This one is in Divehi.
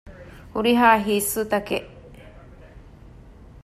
ހުރިހާ ހިއްސުތަކެއް